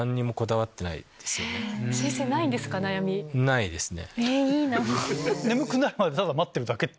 ないですね。